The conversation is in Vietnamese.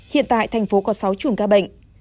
hiện tại thành phố có sáu trùn ca bệnh